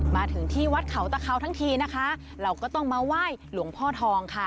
มาถึงที่วัดเขาตะเขาทั้งทีนะคะเราก็ต้องมาไหว้หลวงพ่อทองค่ะ